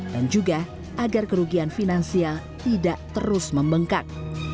dan juga agar kerugian finansial tidak terus membengkak